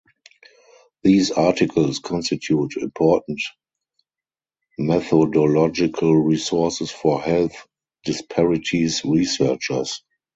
These articles constitute important methodological resources for health disparities researchers.